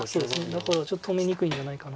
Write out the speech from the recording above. だからちょっと止めにくいんじゃないかな。